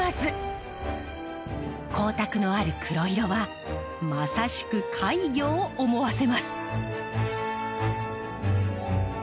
光沢のある黒色はまさしく怪魚を思わせます。